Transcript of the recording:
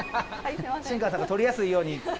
新川さんが撮りやすいように。